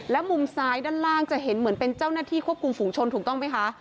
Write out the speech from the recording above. และมุมซ้ายด้านล่างจะเห็นเหมือนเป็นเจ้าหน้าที่ควบคุมฝุงชนถูกต้องไหมคะ